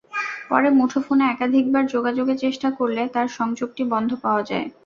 পরে মুঠোফোনে একাধিকবার যোগাযোগের চেষ্টা করলে তাঁর সংযোগটি বন্ধ পাওয়া যায়।